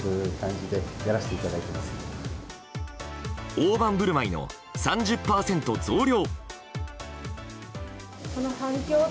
大盤振る舞いの３０％増量。